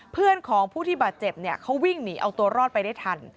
เพื่อนของผู้ที่บาดเจ็บเนี่ยเขาวิ่งหนีเอาตัวรอดไปได้ทัน